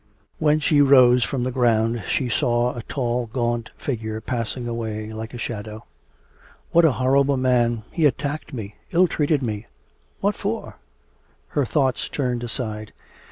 When she rose from the ground she saw a tall, gaunt figure passing away like a shadow. 'What a horrible man... he attacked me, ill treated me... what for?' Her thoughts turned aside.